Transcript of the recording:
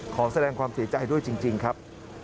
ขอแสดงความเสียใจด้วยจริงครับ